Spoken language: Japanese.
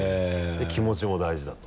で気持ちも大事だと。